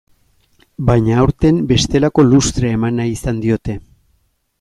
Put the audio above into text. Baina aurten bestelako lustrea eman nahi izan diote.